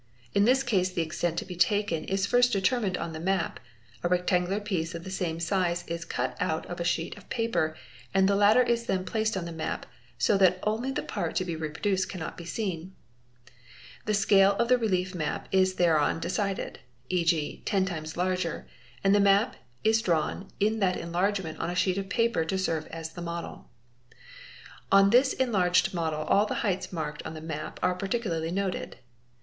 In this case the extent to be taken. is first determined on the map, a rectangular piece of the same size is cut out of a sheet of paper and the latter is then placed on the map so that only the part to be re sproduced cannot be seen. The scale of the relief map is thereupon decided, ¢.g., 10 times larger, and the map is drawn in that enlargement on a sheet of paper to serve as a model. On this enlarged model all the heights marked on the map are particularly noted.